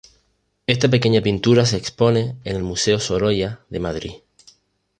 Esta pequeña pintura se expone en el Museo Sorolla de Madrid.